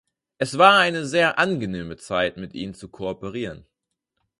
Es war eine sehr angenehme Zeit, mit Ihnen zu kooperieren.